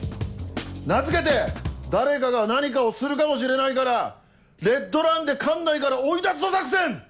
名付けて「誰かが何かをするかもしれないからレッドランで管内から追い出すぞ作戦」！